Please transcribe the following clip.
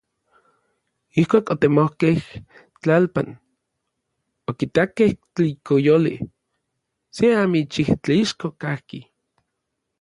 Ijkuak otemokej tlalpan, okitakej tlikoyoli, se amichij tlixko kajki.